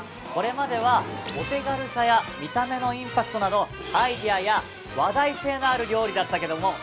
これまでは、お手軽さや見た目のインパクトなど、アイデアや話題性のある料理だったけども。